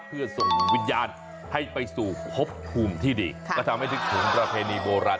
เพื่อส่งวิญญาณให้ไปสู่พบภูมิที่ดีก็ทำให้นึกถึงประเพณีโบราณ